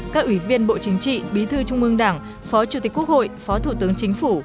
các ủy viên bộ chính trị bí thư trung ương đảng phó chủ tịch quốc hội phó thủ tướng chính phủ